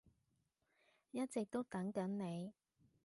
一直都等緊你